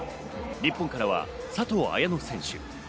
日本からは佐藤綾乃選手。